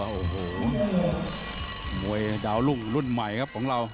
หมวยดาวลุ่งรุ่นใหม่ของเรา